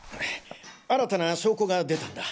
新たな証拠が出たんだ。